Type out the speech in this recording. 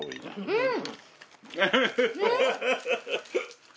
うん！